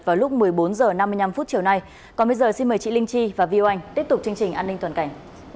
vào lúc một mươi bốn h năm mươi năm chiều nay còn bây giờ xin mời chị linh chi và vio anh tiếp tục chương trình an ninh toàn cảnh